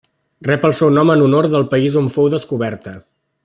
Rep el seu nom en honor del país on fou descoberta: